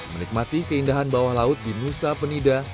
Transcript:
menikmati keindahan bawah laut di nusa penida